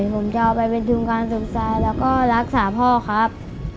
ผมจะเอาไปเป็นทุนการสมทรายแล้วก็รักษาพ่อครับ